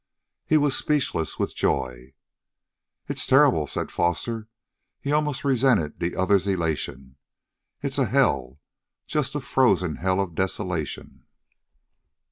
He was speechless with joy. "It's terrible!" said Foster. He almost resented the other's elation. "It's a hell! Just a frozen hell of desolation."